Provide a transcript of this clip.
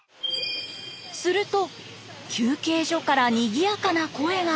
すると休憩所からにぎやかな声が。